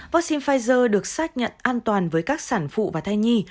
vaccine pfizer được xác nhận an toàn với các sản phụ và thai nhi